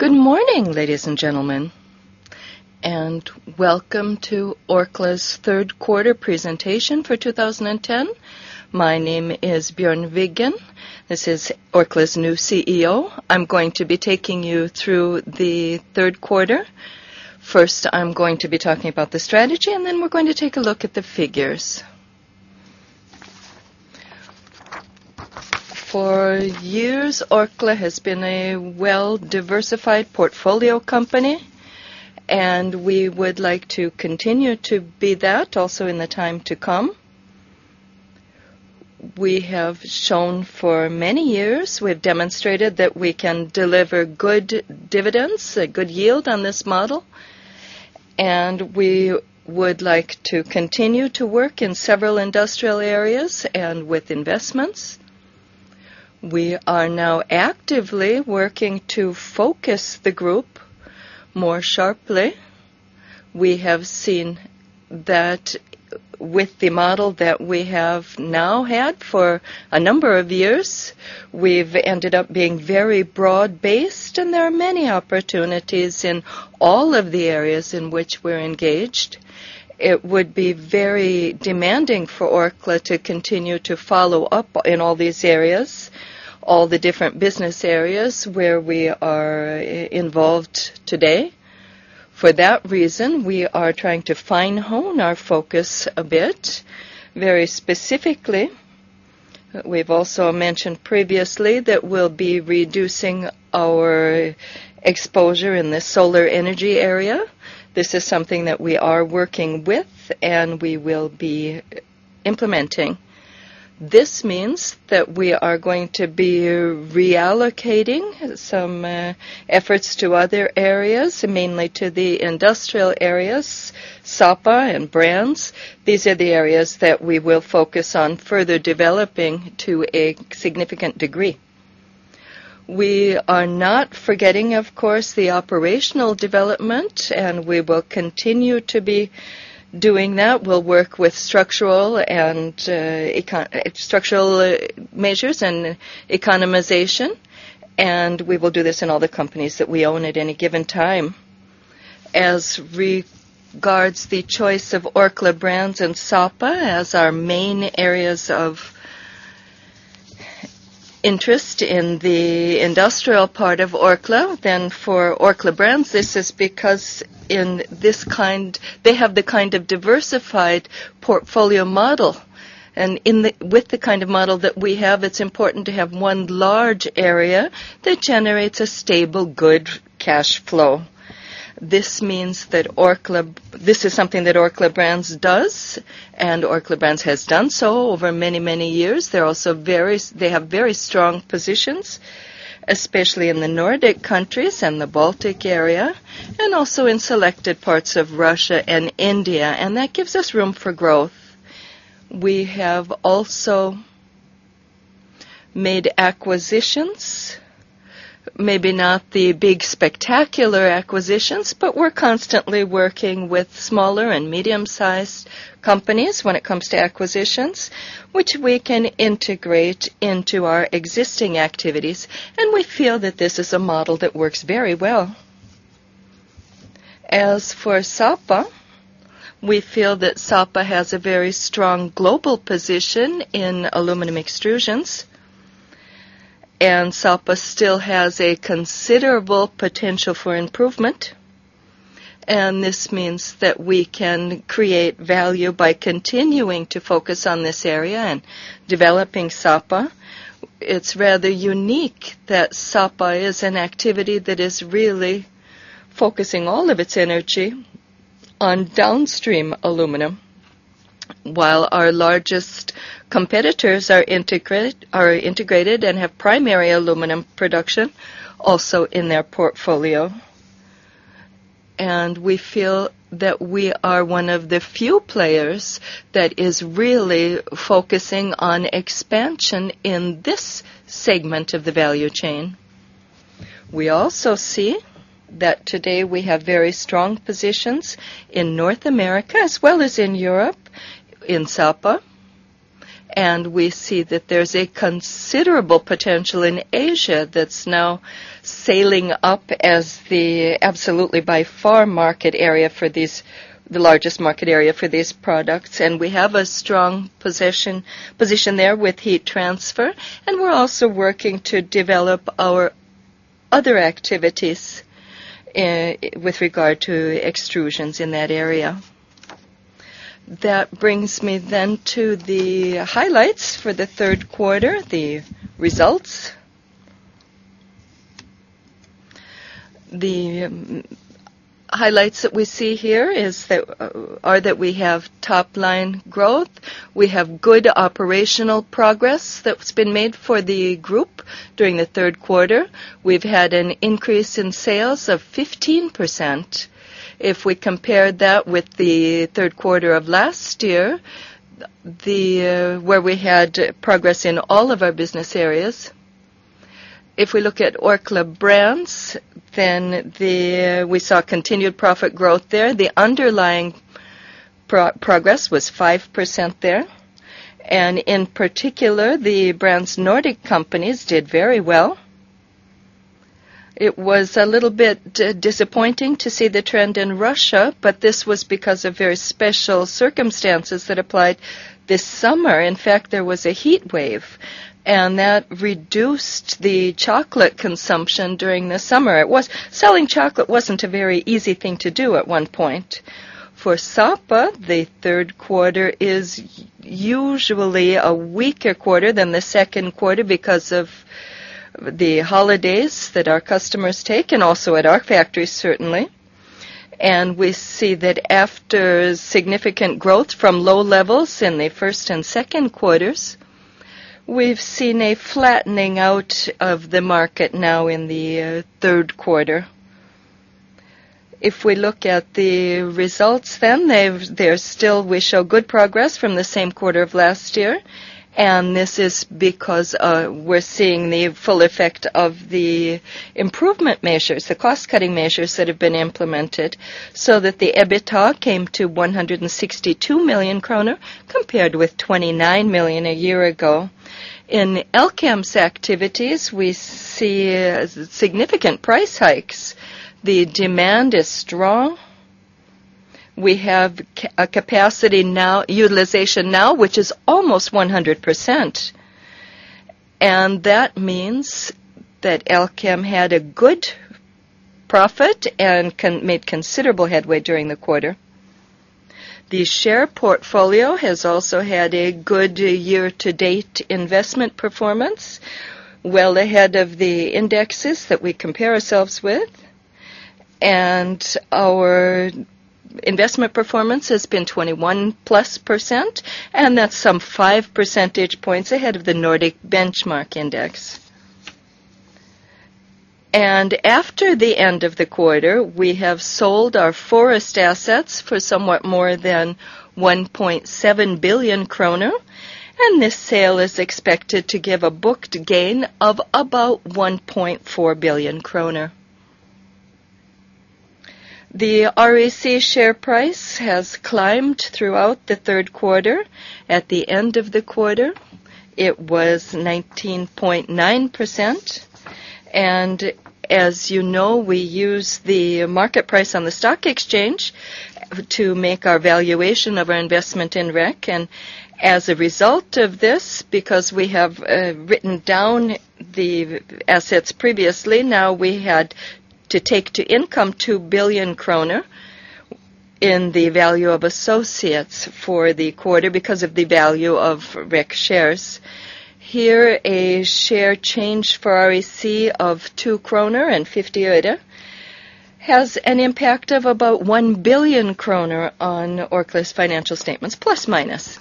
Good morning, ladies and gentlemen, welcome to Orkla's third quarter presentation for 2010. My name is Bjørn Wiggen. This is Orkla's new CEO. I'm going to be taking you through the third quarter. First, I'm going to be talking about the strategy, and then we're going to take a look at the figures. For years, Orkla has been a well-diversified portfolio company, and we would like to continue to be that also in the time to come. We have shown for many years, we've demonstrated that we can deliver good dividends, a good yield on this model, and we would like to continue to work in several industrial areas and with investments. We are now actively working to focus the group more sharply. We have seen that with the model that we have now had for a number of years, we've ended up being very broad-based, and there are many opportunities in all of the areas in which we're engaged. It would be very demanding for Orkla to continue to follow up in all these areas, all the different business areas where we are involved today. We are trying to fine-hone our focus a bit. Very specifically, we've also mentioned previously that we'll be reducing our exposure in the solar energy area. This is something that we are working with, and we will be implementing. This means that we are going to be reallocating some efforts to other areas, mainly to the industrial areas, Sapa and Brands. These are the areas that we will focus on further developing to a significant degree. We are not forgetting, of course, the operational development, and we will continue to be doing that. We'll work with structural measures and economization, and we will do this in all the companies that we own at any given time. As regards the choice of Orkla Brands and Sapa as our main areas of interest in the industrial part of Orkla, then for Orkla Brands, this is because they have the kind of diversified portfolio model. With the kind of model that we have, it's important to have one large area that generates a stable, good cash flow. This is something that Orkla Brands does, and Orkla Brands has done so over many years. They have very strong positions, especially in the Nordic countries and the Baltic area, also in selected parts of Russia and India. That gives us room for growth. We have also made acquisitions, maybe not the big, spectacular acquisitions, but we're constantly working with smaller and medium-sized companies when it comes to acquisitions, which we can integrate into our existing activities. We feel that this is a model that works very well. As for Sapa, we feel that Sapa has a very strong global position in aluminum extrusions. Sapa still has a considerable potential for improvement. This means that we can create value by continuing to focus on this area and developing Sapa. It's rather unique that Sapa is an activity that is really focusing all of its energy on downstream aluminum, while our largest competitors are integrated and have primary aluminum production also in their portfolio. We feel that we are one of the few players that is really focusing on expansion in this segment of the value chain. We also see that today we have very strong positions in North America, as well as in Europe, in Sapa, and we see that there's a considerable potential in Asia that's now sailing up as the absolutely, by far, the largest market area for these products. We have a strong position there with heat transfer, and we're also working to develop our other activities with regard to extrusions in that area. That brings me then to the highlights for the third quarter, the results. The highlights that we see here are that we have top-line growth. We have good operational progress that's been made for the group during the third quarter. We've had an increase in sales of 15%. If we compare that with the third quarter of last year, where we had progress in all of our business areas. If we look at Orkla Brands, then we saw continued profit growth there. The underlying progress was 5% there, and in particular, the brands' Nordic companies did very well. It was a little bit disappointing to see the trend in Russia, but this was because of very special circumstances that applied this summer. In fact, there was a heat wave, and that reduced the chocolate consumption during the summer. Selling chocolate wasn't a very easy thing to do at one point. For Sapa, the third quarter is usually a weaker quarter than the second quarter because of the holidays that our customers take, and also at our factories, certainly. We see that after significant growth from low levels in the first and second quarters, we've seen a flattening out of the market now in the third quarter. If we look at the results, there's still, we show good progress from the same quarter of last year, and this is because we're seeing the full effect of the improvement measures, the cost-cutting measures that have been implemented, so that the EBITDA came to 162 million kroner, compared with 29 million a year ago. In Elkem's activities, we see significant price hikes. The demand is strong. We have a capacity now utilization now, which is almost 100%. That means that Elkem had a good profit and made considerable headway during the quarter. The share portfolio has also had a good year-to-date investment performance, well ahead of the indexes that we compare ourselves with. Our investment performance has been 21%+, and that's some 5 percentage points ahead of the Nordic Benchmark Index. After the end of the quarter, we have sold our forest assets for somewhat more than 1.7 billion kroner, and this sale is expected to give a booked gain of about 1.4 billion kroner. The REC share price has climbed throughout the third quarter. At the end of the quarter, it was 19.9%. As you know, we use the market price on the stock exchange to make our valuation of our investment in REC. As a result of this, because we have written down the assets previously, now we had to take to income 2 billion kroner in the value of associates for the quarter because of the value of REC shares. Here, a share change for REC of 2.50 kroner has an impact of about 1 billion kroner on Orkla's financial statements, plus, minus.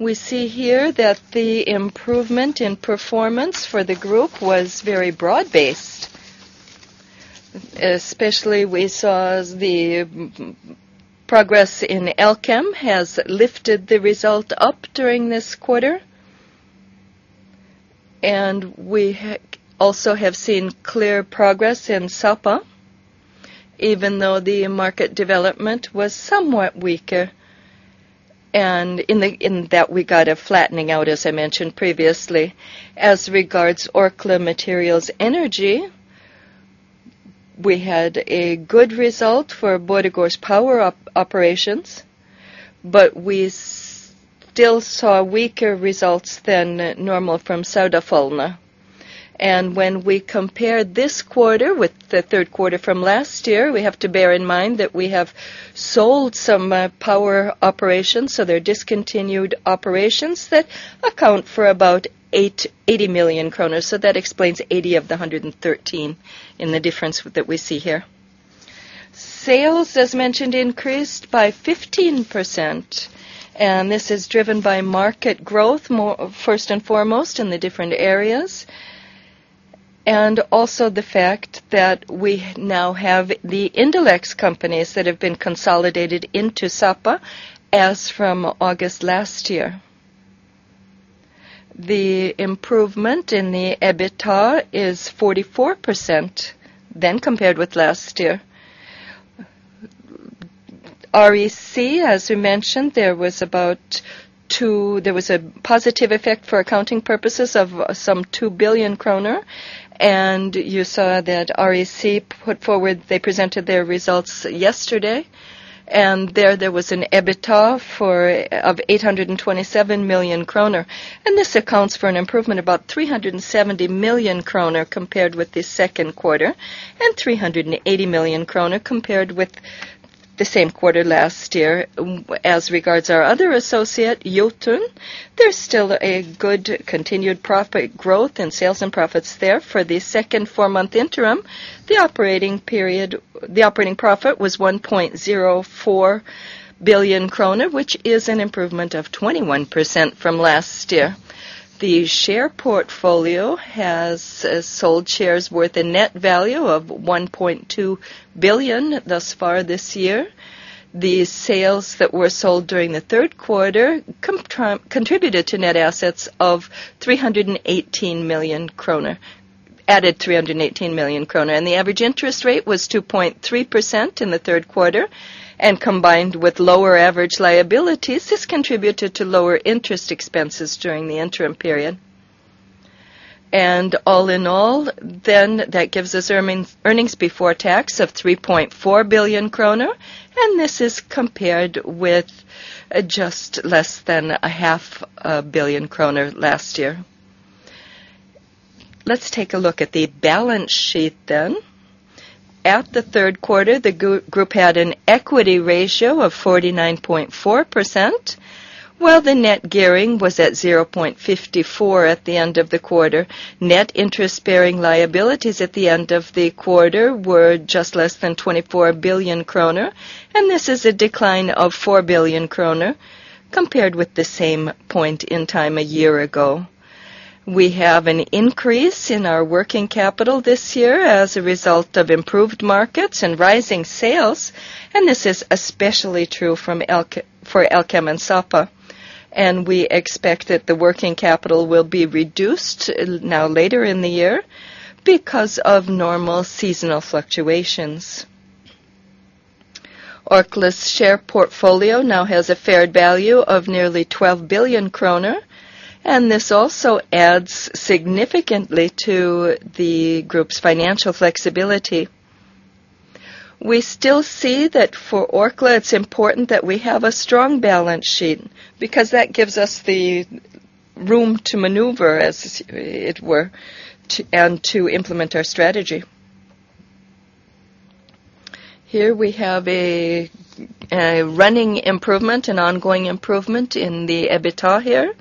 We see here that the improvement in performance for the group was very broad-based. Especially, we saw the progress in Elkem has lifted the result up during this quarter. We also have seen clear progress in Sapa, even though the market development was somewhat weaker. In that, we got a flattening out, as I mentioned previously. As regards Orkla Materials Energy, we had a good result for Borregaard's power operations, but we still saw weaker results than normal from Saudefaldene. When we compare this quarter with the third quarter from last year, we have to bear in mind that we have sold some power operations, so they're discontinued operations that account for about 80 million kroner. That explains 80 of the 113 in the difference that we see here. Sales, as mentioned, increased by 15%, and this is driven by market growth first and foremost in the different areas, and also the fact that we now have the Indalex companies that have been consolidated into Sapa as from August last year. The improvement in the EBITDA is 44% than compared with last year. REC, as we mentioned, there was a positive effect for accounting purposes of some 2 billion kroner, and you saw that REC put forward. They presented their results yesterday, and there was an EBITDA of 827 million kroner, and this accounts for an improvement about 370 million kroner compared with the second quarter, and 380 million kroner compared with the same quarter last year. As regards our other associate, Jotun, there's still a good continued profit growth in sales and profits there. For the second four-month interim, the operating profit was 1.04 billion kroner, which is an improvement of 21% from last year. The share portfolio has sold shares worth a net value of 1.2 billion thus far this year. The sales that were sold during the third quarter contributed to net assets of 318 million kroner, and the average interest rate was 2.3% in the third quarter, and combined with lower average liabilities, this contributed to lower interest expenses during the interim period. All in all, then that gives us earnings before tax of 3.4 billion kroner, and this is compared with just less than a half a billion kroner last year. Let's take a look at the balance sheet then. At the 3rd quarter, the group had an equity ratio of 49.4%, while the net gearing was at 0.54 at the end of the quarter. Net interest-bearing liabilities at the end of the quarter were just less than 24 billion kroner. This is a decline of 4 billion kroner compared with the same point in time a year ago. We have an increase in our working capital this year as a result of improved markets and rising sales, and this is especially true for Elkem and Sapa. We expect that the working capital will be reduced now later in the year because of normal seasonal fluctuations. Orkla's share portfolio now has a fair value of nearly 12 billion kroner, and this also adds significantly to the group's financial flexibility. We still see that for Orkla, it's important that we have a strong balance sheet, because that gives us the room to maneuver, as it were, and to implement our strategy. Here we have a running improvement, an ongoing improvement in the EBITDA here.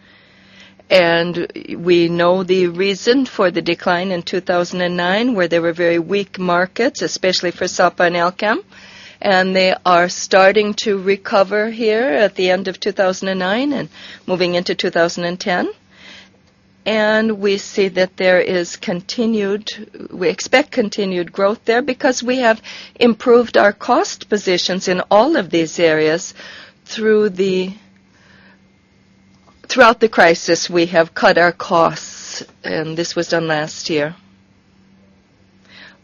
We know the reason for the decline in 2009, where there were very weak markets, especially for Sapa and Elkem, and they are starting to recover here at the end of 2009 and moving into 2010. We expect continued growth there because we have improved our cost positions in all of these areas throughout the crisis, we have cut our costs, and this was done last year.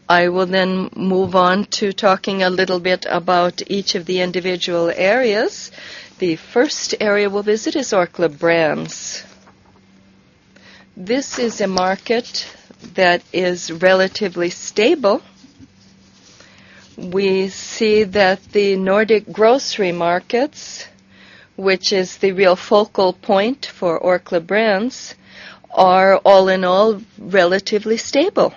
I will move on to talking a little bit about each of the individual areas. The first area we'll visit is Orkla Brands. This is a market that is relatively stable. We see that the Nordic grocery markets, which is the real focal point for Orkla Brands, are, all in all, relatively stable.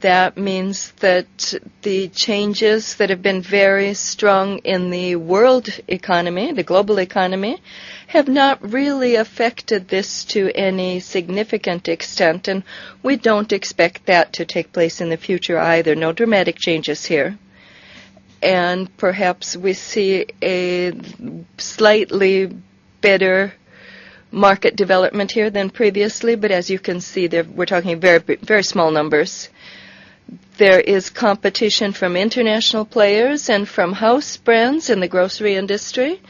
That means that the changes that have been very strong in the world economy, the global economy, have not really affected this to any significant extent, and we don't expect that to take place in the future either. No dramatic changes here. Perhaps we see a slightly better market development here than previously, but as you can see, we're talking very, very small numbers. There is competition from international players and from house brands in the grocery industry,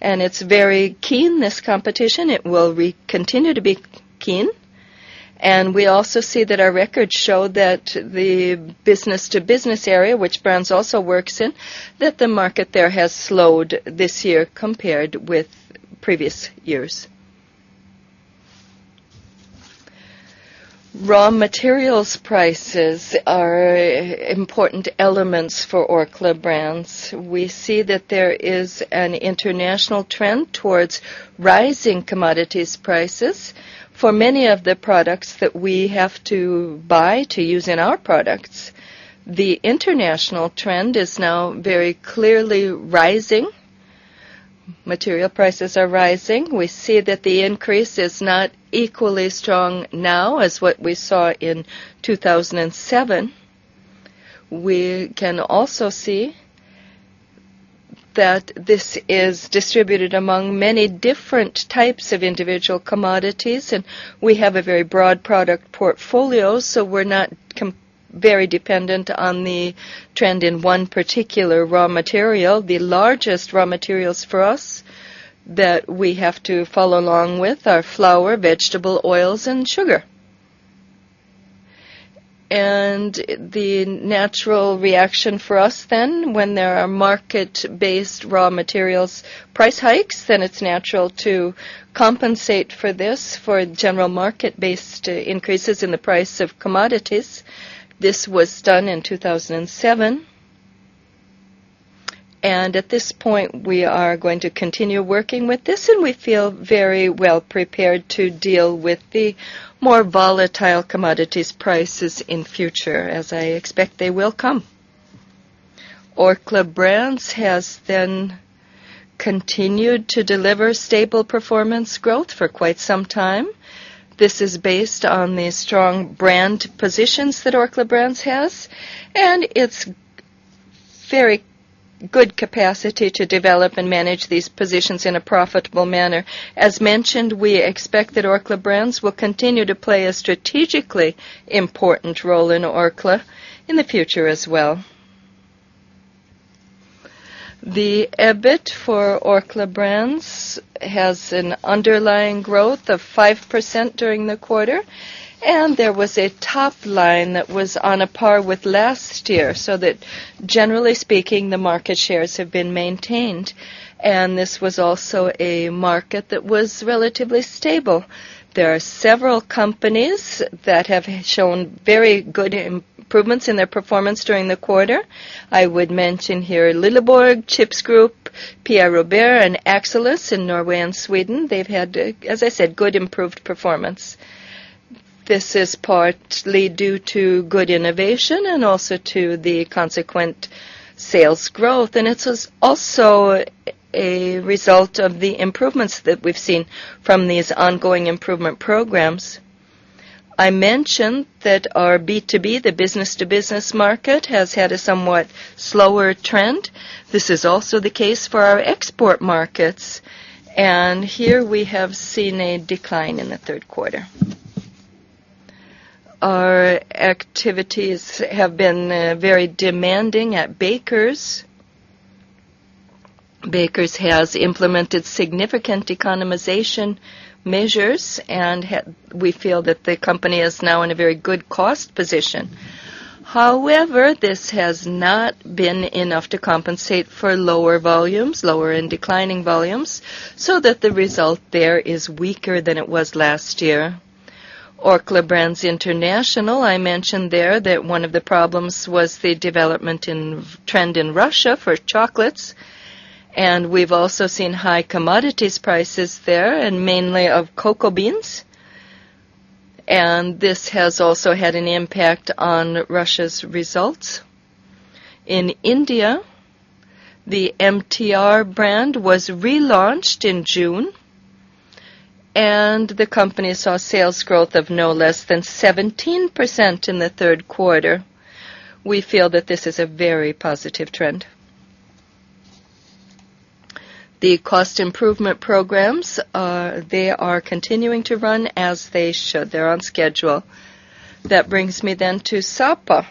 and it's very keen, this competition. It will continue to be keen, and we also see that our records show that the business-to-business area, which Brands also works in, that the market there has slowed this year compared with previous years. Raw materials prices are important elements for Orkla Brands. We see that there is an international trend towards rising commodities prices. For many of the products that we have to buy to use in our products, the international trend is now very clearly rising. Material prices are rising. We see that the increase is not equally strong now as what we saw in 2007. We can also see that this is distributed among many different types of individual commodities, and we have a very broad product portfolio, so we're not very dependent on the trend in one particular raw material. The largest raw materials for us that we have to follow along with are flour, vegetable oils, and sugar. The natural reaction for us then, when there are market-based raw materials price hikes, then it's natural to compensate for this, for general market-based increases in the price of commodities. This was done in 2007. At this point, we are going to continue working with this, and we feel very well prepared to deal with the more volatile commodities prices in future, as I expect they will come. Orkla Brands has then continued to deliver stable performance growth for quite some time. This is based on the strong brand positions that Orkla Brands has, and its very good capacity to develop and manage these positions in a profitable manner. As mentioned, we expect that Orkla Brands will continue to play a strategically important role in Orkla in the future as well. The EBIT for Orkla Brands has an underlying growth of 5% during the quarter, and there was a top line that was on a par with last year, so that generally speaking, the market shares have been maintained. This was also a market that was relatively stable. There are several companies that have shown very good improvements in their performance during the quarter. I would mention here Lilleborg Chips Group, Pierre Robert, and Axellus in Norway and Sweden. They've had, as I said, good improved performance. This is partly due to good innovation and also to the consequent sales growth, and it is also a result of the improvements that we've seen from these ongoing improvement programs. I mentioned that our B2B, the business-to-business market, has had a somewhat slower trend. This is also the case for our export markets, and here we have seen a decline in the third quarter. Our activities have been very demanding at Bakers. Bakers has implemented significant economization measures, and we feel that the company is now in a very good cost position. However, this has not been enough to compensate for lower volumes, lower and declining volumes, so that the result there is weaker than it was last year. Orkla Brands International, I mentioned there that one of the problems was the development in trend in Russia for chocolates, and we've also seen high commodities prices there and mainly of cocoa beans. This has also had an impact on Russia's results. In India, the MTR brand was relaunched in June. The company saw sales growth of no less than 17% in the third quarter. We feel that this is a very positive trend. The cost improvement programs, they are continuing to run as they should. They're on schedule. That brings me then to Sapa.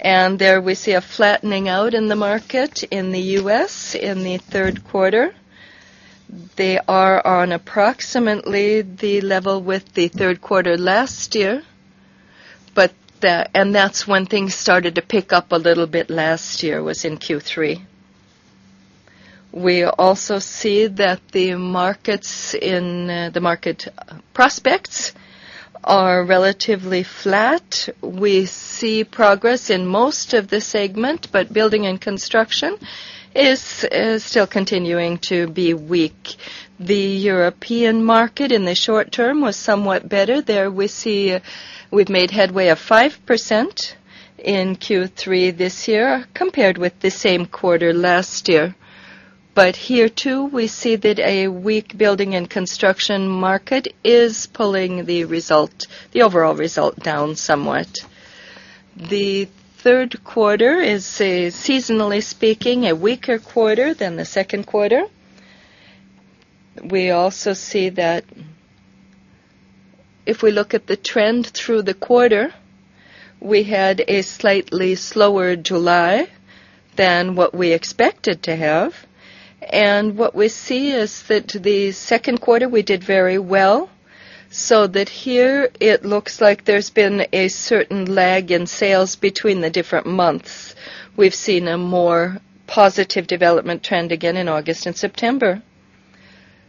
There we see a flattening out in the market in the U.S. in the third quarter. They are on approximately the level with the third quarter last year. That's when things started to pick up a little bit last year, was in Q3. We also see that the markets in prospects are relatively flat. We see progress in most of the segment. Building and construction is still continuing to be weak. The European market, in the short term, was somewhat better. There we see we've made headway of 5% in Q3 this year, compared with the same quarter last year. Here, too, we see that a weak building and construction market is pulling the result, the overall result, down somewhat. The third quarter is, seasonally speaking, a weaker quarter than the second quarter. We also see that if we look at the trend through the quarter, we had a slightly slower July than what we expected to have. What we see is that the second quarter, we did very well, so that here it looks like there's been a certain lag in sales between the different months. We've seen a more positive development trend again in August and September.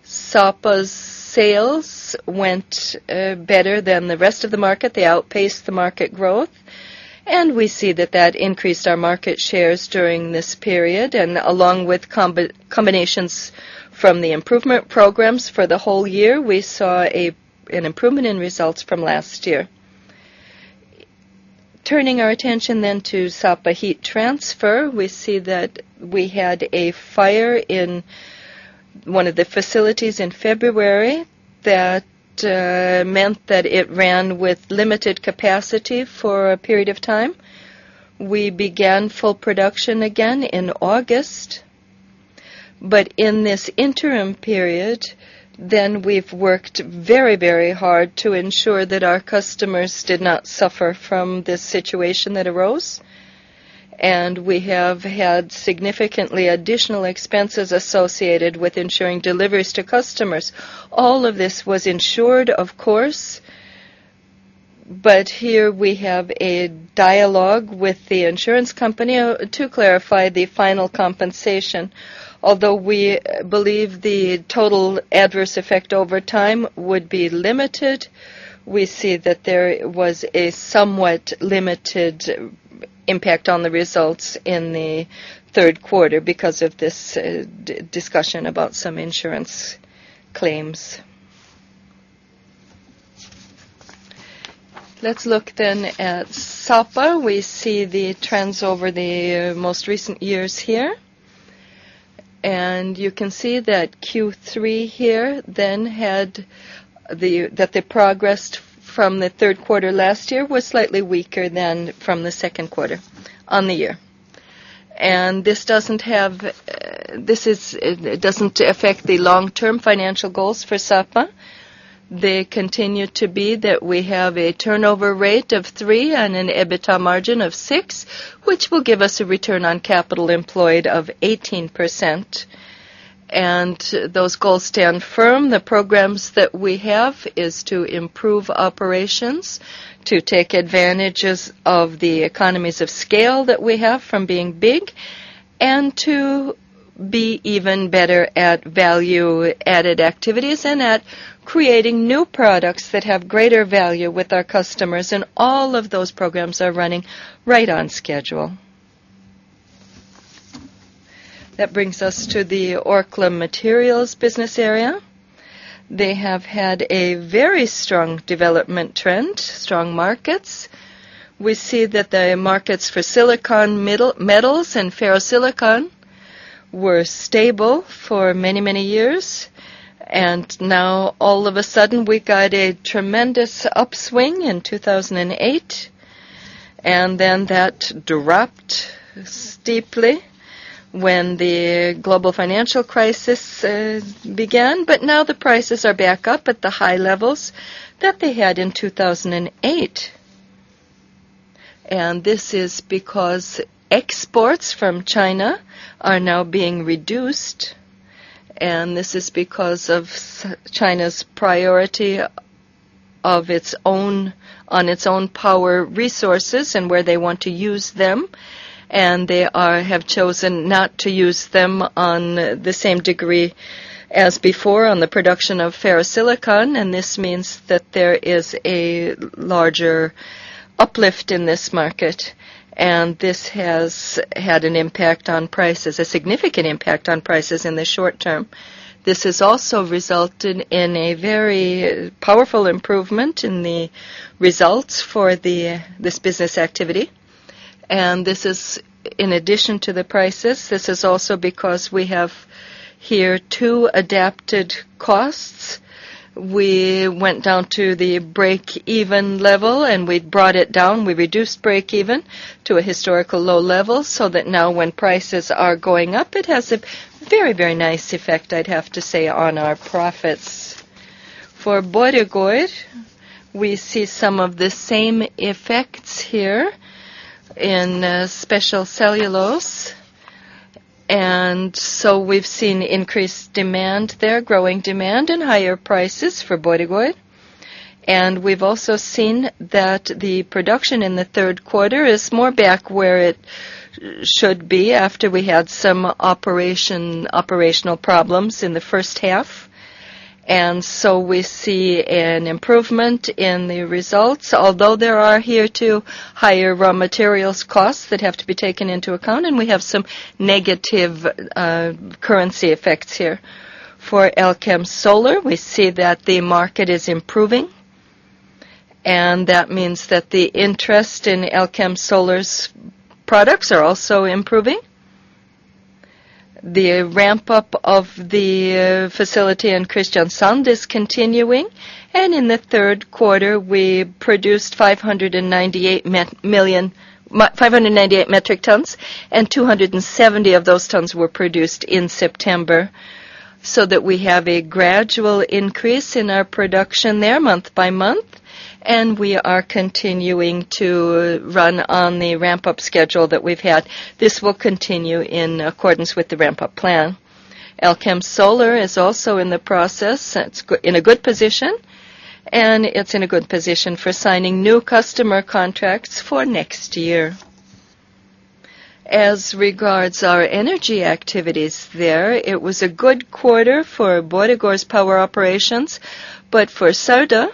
Sapa's sales went better than the rest of the market. They outpaced the market growth. We see that increased our market shares during this period, along with combinations from the improvement programs for the whole year, we saw an improvement in results from last year. Turning our attention to Sapa Heat Transfer, we see that we had a fire in one of the facilities in February. That meant that it ran with limited capacity for a period of time. We began full production again in August. In this interim period, we've worked very hard to ensure that our customers did not suffer from this situation that arose. We have had significantly additional expenses associated with ensuring deliveries to customers. All of this was insured, of course. Here we have a dialogue with the insurance company to clarify the final compensation. Although we believe the total adverse effect over time would be limited, we see that there was a somewhat limited impact on the results in the third quarter because of this discussion about some insurance claims. Let's look at Sapa. We see the trends over the most recent years here, you can see that the progress from the third quarter last year was slightly weaker than from the second quarter on the year. This doesn't affect the long-term financial goals for Sapa. They continue to be that we have a turnover rate of 3 and an EBITDA margin of 6, which will give us a return on capital employed of 18%. Those goals stand firm. The programs that we have is to improve operations, to take advantages of the economies of scale that we have from being big, and to be even better at value-added activities and at creating new products that have greater value with our customers. All of those programs are running right on schedule. That brings us to the Orkla Materials business area. They have had a very strong development trend, strong markets. We see that the markets for silicon metals and ferrosilicon were stable for many, many years, now all of a sudden, we got a tremendous upswing in 2008. That dropped steeply when the global financial crisis began. Now the prices are back up at the high levels that they had in 2008. This is because exports from China are now being reduced, this is because of China's priority of its own, on its own power resources where they want to use them, they are, have chosen not to use them on the same degree as before on the production of ferrosilicon. This means that there is a larger uplift in this market, this has had an impact on prices, a significant impact on prices in the short term. This has also resulted in a very powerful improvement in the results for this business activity. This is in addition to the prices. This is also because we have here two adapted costs. We went down to the break-even level, we brought it down. We reduced break-even to a historical low level, so that now when prices are going up, it has a very, very nice effect, I'd have to say, on our profits. For Borregaard, we see some of the same effects here in speciality cellulose. We've seen increased demand there, growing demand and higher prices for Borregaard. We've also seen that the production in the third quarter is more back where it should be after we had some operational problems in the first half. We see an improvement in the results, although there are here, too, higher raw materials costs that have to be taken into account, and we have some negative currency effects here. For Elkem Solar, we see that the market is improving, that means that the interest in Elkem Solar's products are also improving. The ramp-up of the facility in Kristiansund is continuing. In the third quarter, we produced 598 metric tons, and 270 of those tons were produced in September. We have a gradual increase in our production there month by month. We are continuing to run on the ramp-up schedule that we've had. This will continue in accordance with the ramp-up plan. Elkem Solar is also in the process. It's in a good position. It's in a good position for signing new customer contracts for next year. As regards our energy activities there, it was a good quarter for Borregaard's power operations. For Sirdal,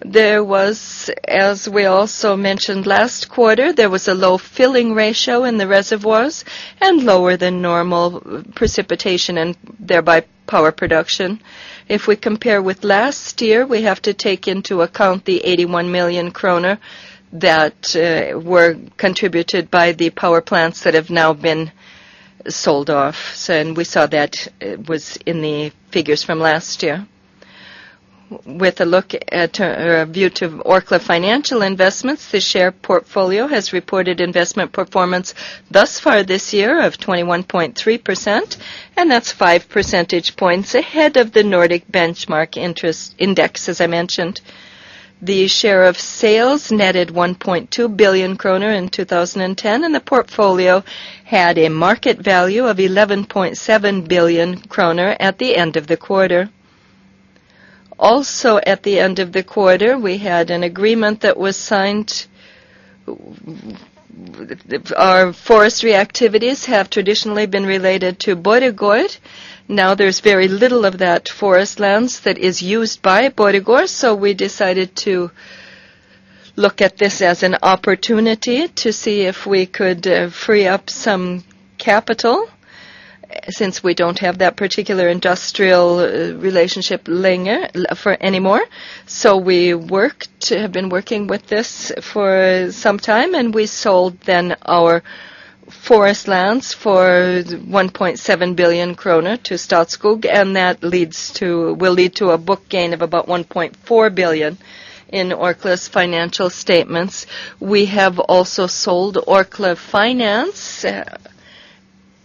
there was, as we also mentioned last quarter, a low filling ratio in the reservoirs and lower than normal precipitation and thereby power production. If we compare with last year, we have to take into account the 81 million kroner that were contributed by the power plants that have now been sold off. We saw that was in the figures from last year. With a look at, or a view to Orkla financial investments, the share portfolio has reported investment performance thus far this year of 21.3%, and that's 5 percentage points ahead of the Nordic benchmark interest index, as I mentioned. The share of sales netted 1.2 billion kroner in 2010. The portfolio had a market value of 11.7 billion kroner at the end of the quarter. Also, at the end of the quarter, we had an agreement that was signed. Our forestry activities have traditionally been related to Borregaard. There's very little of that forest lands that is used by Borregaard, so we decided to look at this as an opportunity to see if we could free up some capital since we don't have that particular industrial relationship linger for anymore. We have been working with this for some time, and we sold then our forest lands for 1.7 billion kroner to Statskog, and that will lead to a book gain of about 1.4 billion in Orkla's financial statements. We have also sold Orkla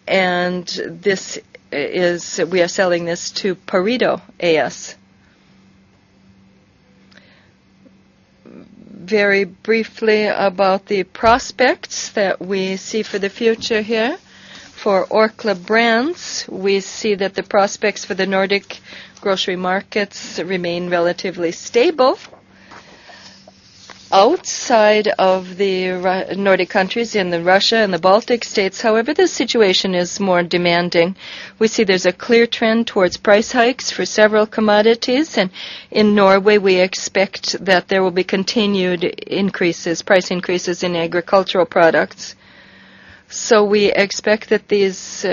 Finans. This is, we are selling this to Pareto AS. Very briefly about the prospects that we see for the future here. For Orkla Brands, we see that the prospects for the Nordic grocery markets remain relatively stable. Outside of the Nordic countries, in Russia and the Baltic States, however, the situation is more demanding. We see there's a clear trend towards price hikes for several commodities, and in Norway, we expect that there will be continued increases, price increases in agricultural products. We expect that these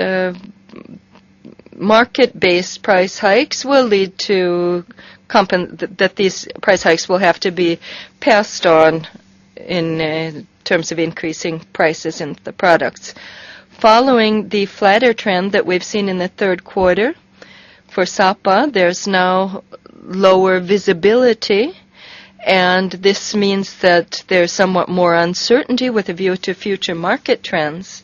market-based price hikes will lead to that these price hikes will have to be passed on in terms of increasing prices in the products. Following the flatter trend that we've seen in the third quarter, for Sapa, there's now lower visibility, and this means that there's somewhat more uncertainty with a view to future market trends.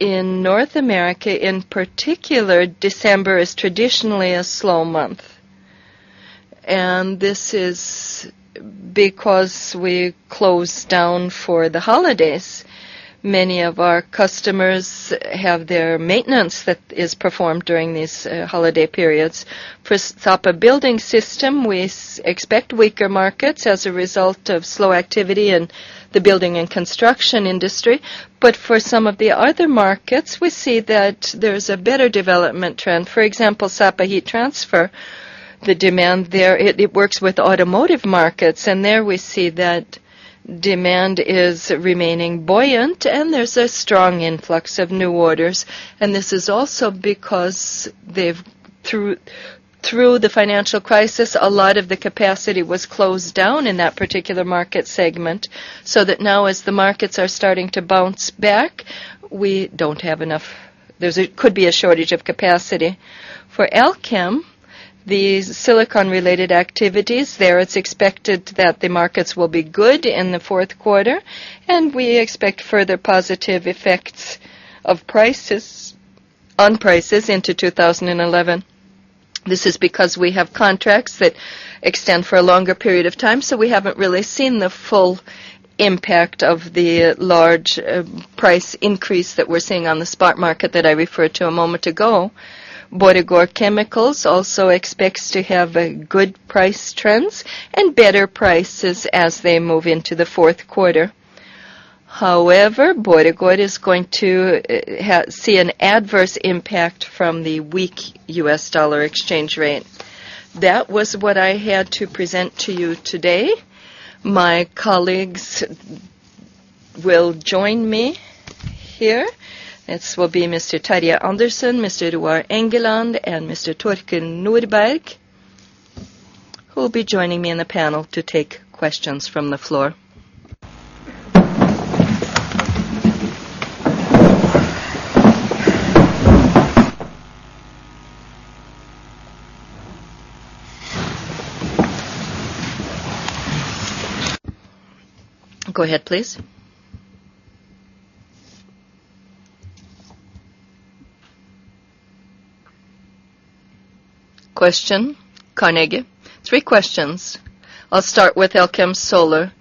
In North America, in particular, December is traditionally a slow month, and this is because we close down for the holidays. Many of our customers have their maintenance that is performed during these holiday periods. For Sapa Building System, we expect weaker markets as a result of slow activity in the building and construction industry. For some of the other markets, we see that there's a better development trend. For example, Sapa Heat Transfer, the demand there, it works with automotive markets, and there we see that demand is remaining buoyant, and there's a strong influx of new orders. This is also because they've, through the financial crisis, a lot of the capacity was closed down in that particular market segment. That now as the markets are starting to bounce back, we don't have enough. There could be a shortage of capacity. For Elkem, the silicon-related activities, there it's expected that the markets will be good in the fourth quarter, and we expect further positive effects of prices, on prices into 2011. This is because we have contracts that extend for a longer period of time, so we haven't really seen the full impact of the large price increase that we're seeing on the spot market that I referred to a moment ago. Borregaard chemicals also expects to have a good price trends and better prices as they move into the fourth quarter. However, Borregaard is going to see an adverse impact from the weak U.S. dollar exchange rate. That was what I had to present to you today. My colleagues will join me here. This will be Mr. Terje Andersen, Mr. Roar Engeland, and Mr. Torkil Mogstad, who will be joining me in the panel to take questions from the floor. Go ahead, please. Question, Carnegie. Three questions. I'll start with Elkem Solar.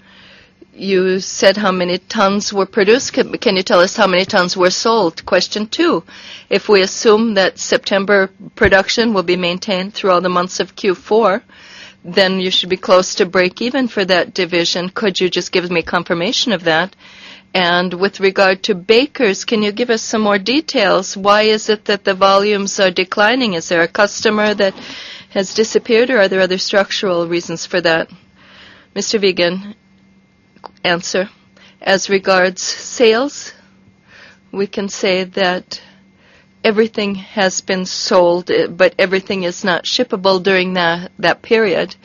You said how many tons were produced. Can you tell us how many tons were sold? Question two, if we assume that September production will be maintained through all the months of Q4, you should be close to breakeven for that division. Could you just give me confirmation of that? With regard to Bakers, can you give us some more details? Why is it that the volumes are declining? Is there a customer that has disappeared, or are there other structural reasons for that? Mr. Wiggen, answer. As regards sales, we can say that everything has been sold, but everything is not shippable during that period.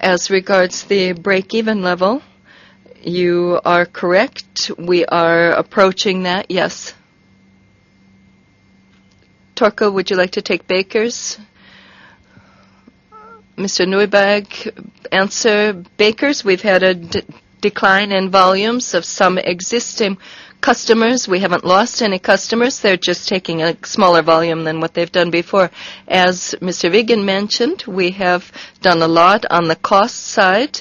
As regards the breakeven level, you are correct. We are approaching that, yes. Torkil, would you like to take Bakers? Mr. Mogstad, answer. Bakers, we've had a decline in volumes of some existing customers. We haven't lost any customers. They're just taking a smaller volume than what they've done before. As Mr. Wiggen mentioned, we have done a lot on the cost side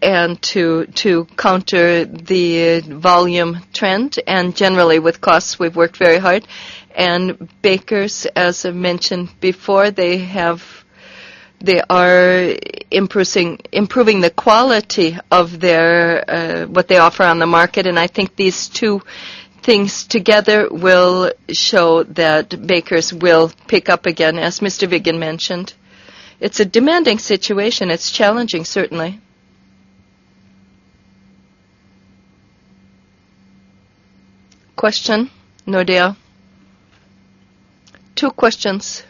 to counter the volume trend, generally with costs, we've worked very hard. Bakers, as I mentioned before, they are improving the quality of their what they offer on the market, I think these two things together will show that Bakers will pick up again, as Mr. Wiggen mentioned. It's a demanding situation. It's challenging, certainly. Question, Nordea. Two questions.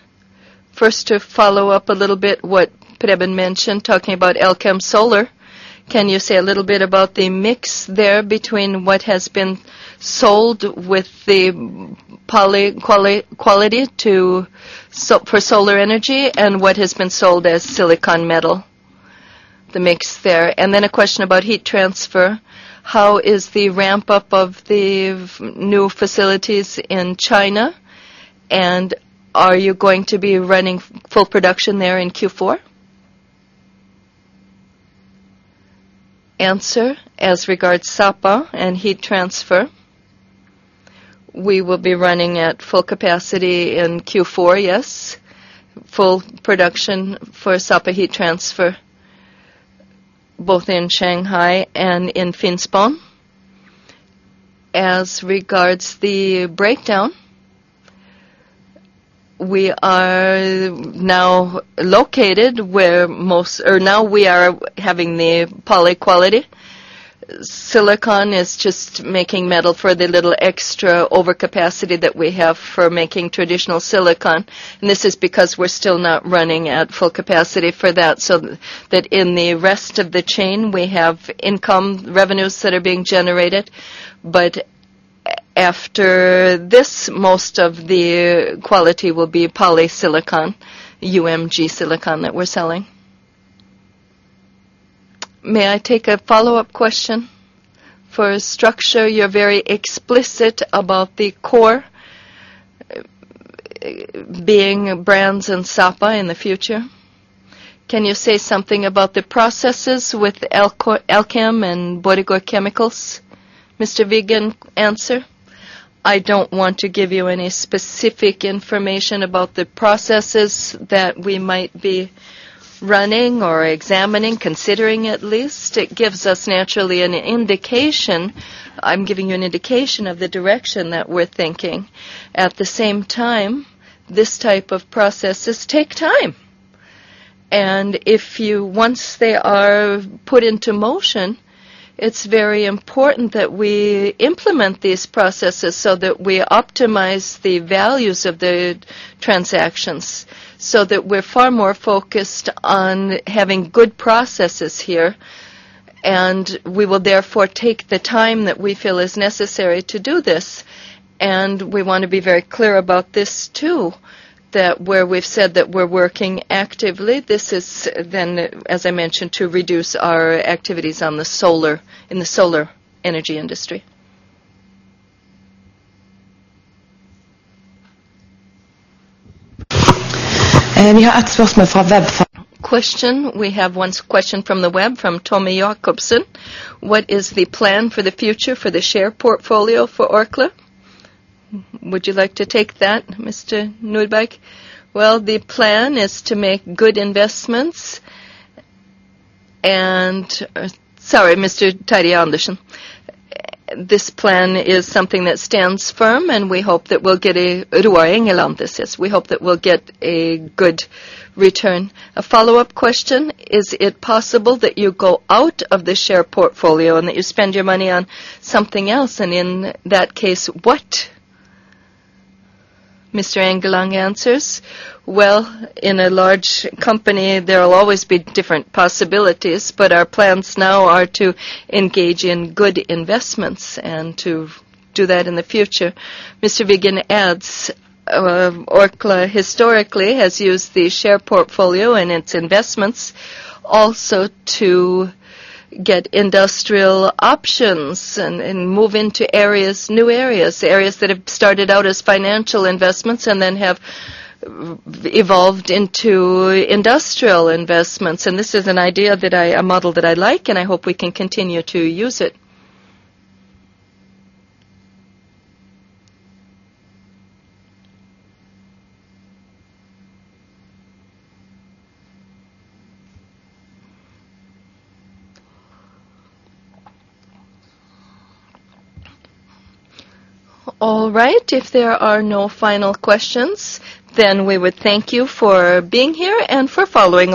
First, to follow up a little bit what Preben mentioned, talking about Elkem Solar. Can you say a little bit about the mix there between what has been sold with the poly quality for solar energy and what has been sold as silicon metal, the mix there? Then a question about heat transfer. How is the ramp-up of the new facilities in China? Are you going to be running full production there in Q4? Answer: As regards Sapa Heat Transfer, we will be running at full capacity in Q4, yes. Full production for Sapa Heat Transfer, both in Shanghai and in Finspång. As regards the breakdown, we are now located where most or now we are having the poly quality. Silicon is just making metal for the little extra overcapacity that we have for making traditional silicon, and this is because we're still not running at full capacity for that, so that in the rest of the chain, we have income revenues that are being generated. After this, most of the quality will be polysilicon, UMG silicon, that we're selling. May I take a follow-up question? For structure, you're very explicit about the core being brands and Sapa in the future. Can you say something about the processes with Elkem and Borregaard chemicals, Mr. Wiggen? Answer: I don't want to give you any specific information about the processes that we might be running or examining, considering at least. It gives us, naturally, an indication. I'm giving you an indication of the direction that we're thinking. At the same time, this type of processes take time. Once they are put into motion, it's very important that we implement these processes so that we optimize the values of the transactions, so that we're far more focused on having good processes here, and we will therefore take the time that we feel is necessary to do this. We want to be very clear about this, too, that where we've said that we're working actively, this is then, as I mentioned, to reduce our activities in the solar energy industry. We have one question from the web, from Tommy Jacobson. What is the plan for the future for the share portfolio for Orkla? Would you like to take that, Mr. Mogstad? Well, the plan is to make good investments, and Sorry, Mr. Terje Andersen. This plan is something that stands firm, and we hope that we'll get a good return. A follow-up question: Is it possible that you go out of the share portfolio and that you spend your money on something else, and in that case, what? Mr. Andersen answers: Well, in a large company, there will always be different possibilities. Our plans now are to engage in good investments and to do that in the future. Mr. Wiggen adds, Orkla historically has used the share portfolio and its investments also to get industrial options and move into areas, new areas that have started out as financial investments and then have evolved into industrial investments. This is a model that I like, and I hope we can continue to use it. All right. If there are no final questions, we would thank you for being here and for following.